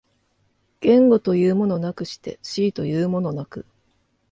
言語というものなくして思惟というものなく、